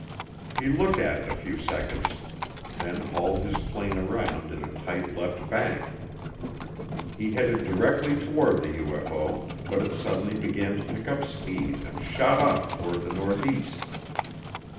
He looked at it a few seconds, then hauled his plane around in a tight left bank. He headed directly toward the UFO, but it suddenly began to pick up speed and shot off toward the northeast.